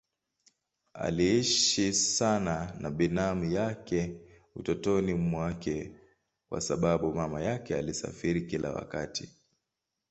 Aliishi sana na binamu yake utotoni mwake kwa sababu mama yake alisafiri kila wakati.